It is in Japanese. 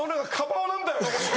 おなんだよ！